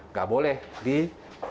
nggak boleh disorot oleh kapal